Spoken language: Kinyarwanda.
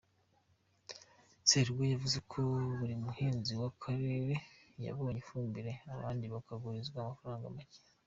Serugo yavuze ko buri muhinzi mu karere yabonye ifumbire , abandi bakagurizwa amafaranga make.